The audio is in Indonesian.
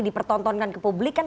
kita bertonton kan ke publik kan